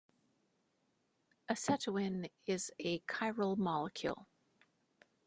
Acetoin is a chiral molecule.